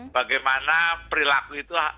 bagaimana perilaku itu seharusnya